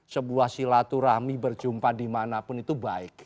sebuah silaturahmi berjumpa dimanapun itu baik